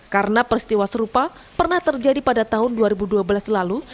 karena peristiwa serupa pernah terjadi pada tahun dua ribu dua belas lalu